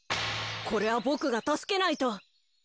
これはボクがたすけないと！